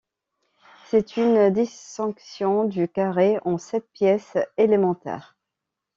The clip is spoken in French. C'est une dissection du carré en sept pièces élémentaires.